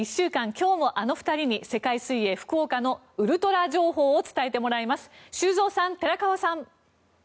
今日もあの２人に世界水泳福岡のウルトラ情報を伝えてもらいます修造さん、寺川さん。